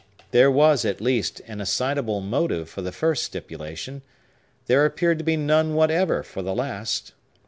There was, at least, an assignable motive for the first stipulation; there appeared to be none whatever for the last.